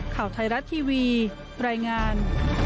ข่าวไทยรัฐทีวีรายงาน